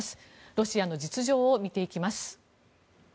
ロシアの実情を見ていきます。